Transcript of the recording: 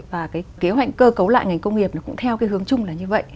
và cái kế hoạch cơ cấu lại ngành công nghiệp nó cũng theo cái hướng chung là như vậy